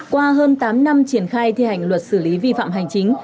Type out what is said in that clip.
qua hơn tám năm triển khai thi hành luật xử lý vi phạm hành chính